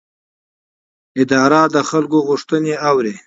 اداره د خلکو غوښتنې اوري.